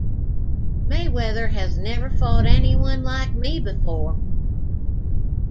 Mayweather has never fought anyone like me before.